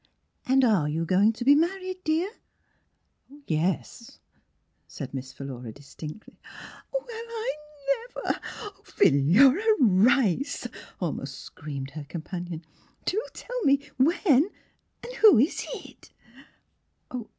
And are you going to be married, dear?" Yes," said Miss Philura distinctly. '' Well, I never — Philura Rice!" almost screamed her companion. '* Do tell me when; and who is it?"